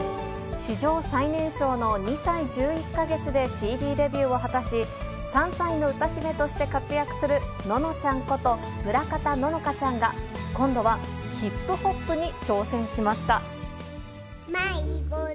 史上最年少の２歳１１か月でＣＤデビューを果たし、３歳の歌姫として活躍する、ののちゃんこと村方乃々佳ちゃんが、今度はヒップホップに挑戦しました。